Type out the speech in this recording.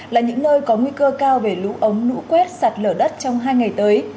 là những nơi có nguy cơ cao về lũ ống lũ quét sạt lở đất trong hai ngày tới